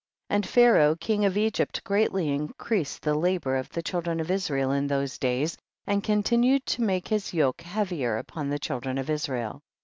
11. And Pharaoh king of Egypt greatly increased the labor of the children of Israel in those days, and continued to make his yoke heavier upon the children of Israel.